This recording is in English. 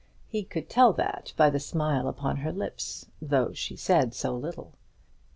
He could tell that, by the smile upon her lips, though she said so little.